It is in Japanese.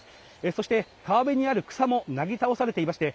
そして川辺にある草もなぎ倒されていまして